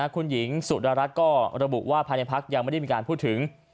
คุณหญิงสุดารัฐก็ระบุว่าภายในพักยังไม่ได้มีการพูดถึง